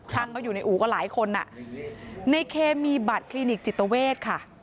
ช่างเขาอยู่ในอู่ก็หลายคนอ่ะในเคมีบัตรคลินิกจิตเวทค่ะ